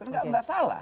kan nggak salah